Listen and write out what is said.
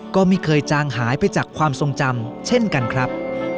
ก็ไม่เคยจางหายไปจากความทรงจำเช่นกันครับ